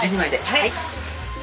はい。